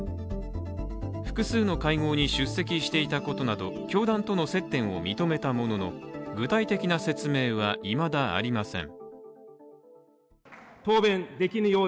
複数の会合に出席していたことなど、教団との接点を認めたものの、具体的な説明はいまだありません。